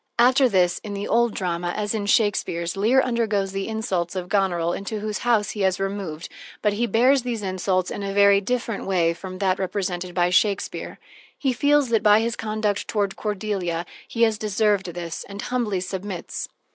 After this, in the old drama, as in Shakespeare's, Leir undergoes the insults of Goneril, into whose house he has removed, but he bears these insults in a very different way from that represented by Shakespeare: he feels that by his conduct toward Cordelia, he has deserved this, and humbly submits.